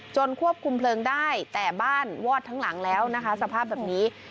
ควบคุมเพลิงได้แต่บ้านวอดทั้งหลังแล้วนะคะสภาพแบบนี้